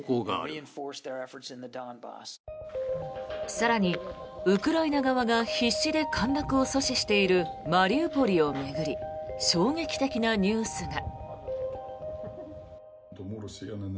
更に、ウクライナ側が必死で陥落を阻止しているマリウポリを巡り衝撃的なニュースが。